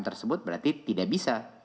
tersebut berarti tidak bisa